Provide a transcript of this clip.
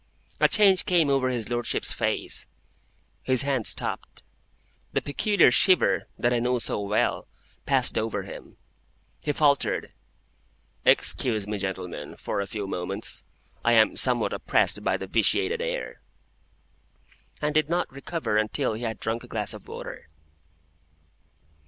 A change came over his Lordship's face; his hand stopped; the peculiar shiver, that I knew so well, passed over him; he faltered, "Excuse me, gentlemen, for a few moments. I am somewhat oppressed by the vitiated air;" and did not recover until he had drunk a glass of water.